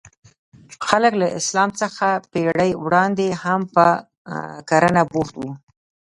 خلک له اسلام څخه پېړۍ وړاندې هم په کرنه بوخت وو.